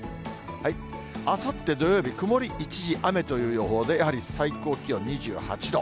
あさって土曜日、曇り一時雨という予報で、やはり最高気温２８度。